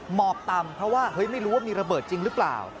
หมอบต่ำเพราะว่าเฮ้ยไม่รู้ว่ามีระเบิดจริงหรือเปล่า